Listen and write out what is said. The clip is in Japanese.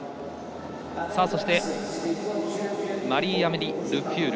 そしてマリーアメリ・ルフュール。